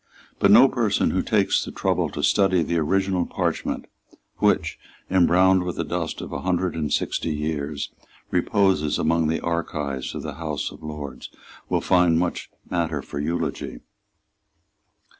But no person who takes the trouble to study the original parchment, which, embrowned with the dust of a hundred and sixty years, reposes among the archives of the House of Lords, will find much matter for eulogy.